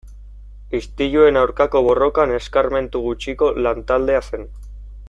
Istiluen aurkako borrokan eskarmentu gutxiko lan-taldea zen.